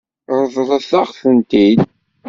Ṛeḍlen-aɣ-tent-id?